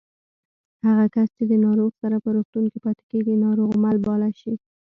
هغه کس چې د ناروغ سره په روغتون کې پاتې کېږي ناروغمل باله شي